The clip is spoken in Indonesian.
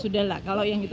ya sudah lah kalau yang itu